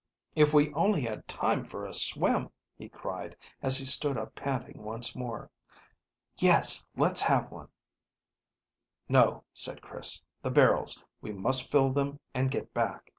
"If we only had time for a swim," he cried, as he stood up panting once more. "Yes, let's have one." "No," said Chris; "the barrels we must fill them and get back."